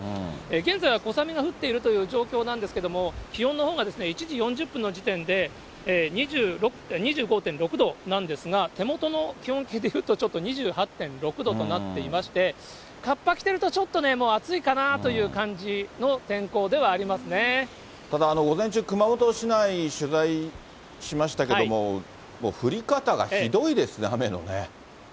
現在は小雨が降っているという状況なんですけども、気温のほうが１時４０分の時点で、２５．６度なんですが、手元の気温計でいうとちょっと２８．６度となっていまして、かっぱ着てると、ちょっとね、暑いかなという感じの天候ではありただ、午前中、熊本市内、取材しましたけれども、降り方がひどいですね、雨のね。